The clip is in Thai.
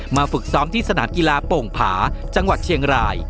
ฝึกซ้อมที่สนามกีฬาโป่งผาจังหวัดเชียงราย